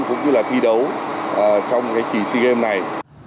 cũng như là thi đấu trong cái kỳ sea games này